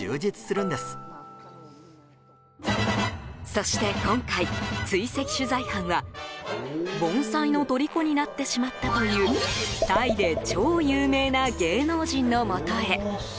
そして今回、追跡取材班は盆栽のとりこになってしまったというタイで超有名な芸能人のもとへ。